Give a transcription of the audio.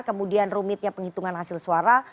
kemudian rumitnya penghitungan hasil suara